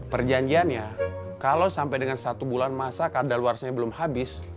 perjanjiannya kalau sampai dengan satu bulan masa kadal luarnya belum habis